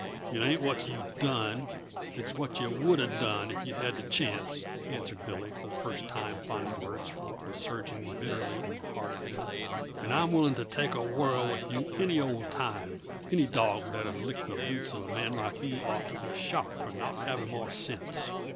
"It ain't what yuh done, it's what yuh woulda done if you'd had the chance," answered Billy, for the first time finding words for what was surging bitterly in the heart of him. "And I'm willing to take a whirl with yuh any old time; any dawg that'll lick the boots of a man like you had ought to be shot for not having more sense.